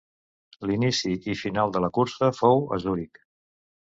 L'inici i final de la cursa fou a Zuric.